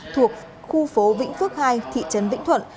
thuộc khu phố vĩnh phước hai thị trấn vĩnh thuận